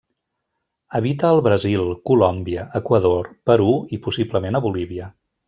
Habita al Brasil, Colòmbia, Equador, Perú i possiblement a Bolívia.